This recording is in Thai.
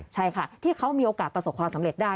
ใช่ค่ะที่เขามีโอกาสประสบความสำเร็จได้